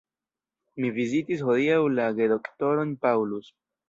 Mi vizitis hodiaŭ la gedoktorojn Paulus.